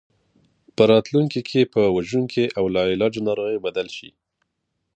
په راتلونکي کې په وژونکي او لاعلاجه ناروغۍ بدل شي.